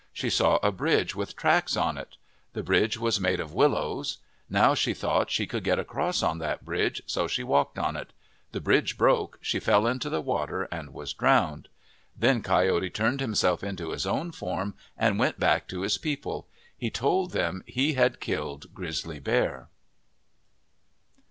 She saw a bridge with tracks on it. The bridge was made of willows. Now she thought she could get across on that bridge, so she walked on it. The bridge broke, she fell into the water, and was drowned. Then Coyote turned himself into his own form and went back to his people. He told them he had killed Grizzly Bear.